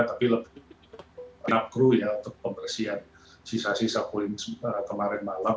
tapi lebih kerap kru ya untuk pembersihan sisa sisa poin kemarin malam